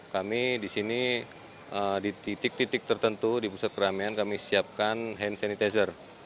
kami di sini di titik titik tertentu di pusat keramaian kami siapkan hand sanitizer